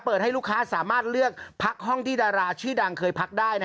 ให้ลูกค้าสามารถเลือกพักห้องที่ดาราชื่อดังเคยพักได้